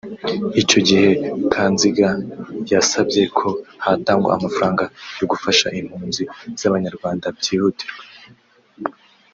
Icyo gihe Kanziga yasabye ko hatangwa amafaranga yo gufasha impunzi z’abanyarwanda byihutirwa